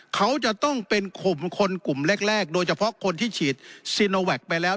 เขาจะต้องเป็นกลุ่มคนกลุ่มแรกโดยเฉพาะคนที่ฉีดซีโนแวคไปแล้ว